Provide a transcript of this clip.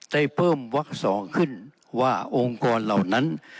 ได้เพิ่มวัก๒ขึ้นว่าองค์กรเหล่านั้น